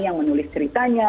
yang menulis ceritanya